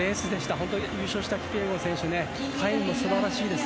本当にキピエゴン選手はタイムも素晴らしいです。